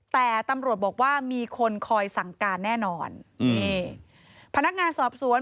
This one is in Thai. แต่ตำรวจบอกว่ามีคนคอยสั่งการแน่นอน